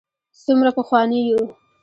څومره پخواني یو.